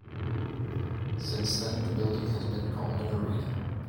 Since then, the building has been called an arena.